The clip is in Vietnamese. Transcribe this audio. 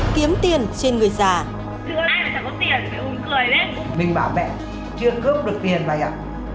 kiếm tiền trên người già